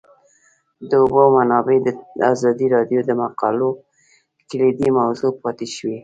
د اوبو منابع د ازادي راډیو د مقالو کلیدي موضوع پاتې شوی.